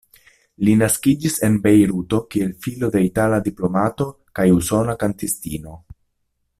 Li naskiĝis en Bejruto kiel filo de itala diplomato kaj usona kantistino.